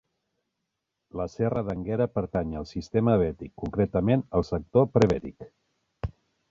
La serra d'Énguera pertany al sistema Bètic, concretament al sector Prebètic.